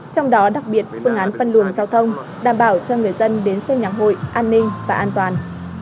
trong đó đặc biệt phương án phân luồng giao thông đảm bảo cho người dân đến xem nhà hội an ninh và an toàn